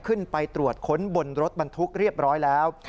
ขึ้นไปตรวจค้นบนรถบรรทุกเรียบร้อยแล้ว